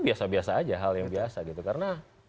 biasa biasa aja hal yang biasa gitu karena